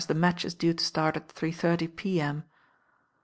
the match i. due to .tart at three thirty p.m.